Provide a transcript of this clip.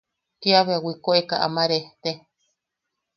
Kia bea wikoʼeka ama rejte.